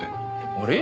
あれ？